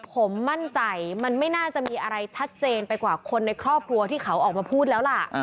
ผมมั่นใจมันไม่น่าจะมีอะไรชัดเจนไปกว่าคนในครอบครัวที่เขาออกมาพูดแล้วล่ะ